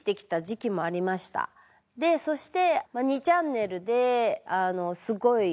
でそして。